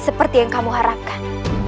seperti yang kamu harapkan